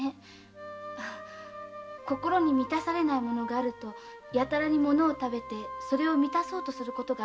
心に満たされないものがあるとやたらに食べてそれを満たそうとする。